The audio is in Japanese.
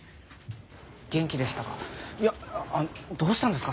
元気でしたか？